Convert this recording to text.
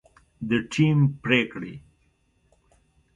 د ټیم پرېکړې